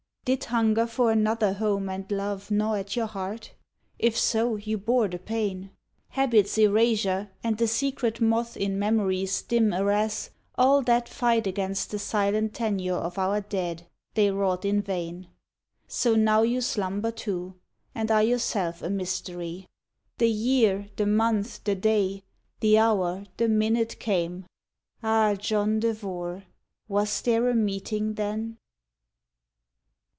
"Did hunger for another home and love Gnaw at your heart? If so, you bore the pain. Habit s erasure, and the secret moth In memory s dim arras, all that fight Against the silent tenure of our dead, They wrought in vain. So now you slumber too And are yourself a mystery. The year, The month, the day, the hour, the minute came. Ah! John Devore! was there a meeting then?"